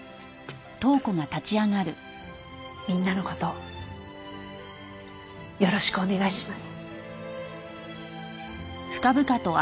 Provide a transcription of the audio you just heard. みんなの事よろしくお願いします。